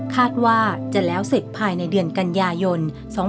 คาดว่าจะแล้วเสร็จภายในเดือนกันยายน๒๕๖๒